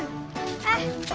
tuhan tuhan tuhan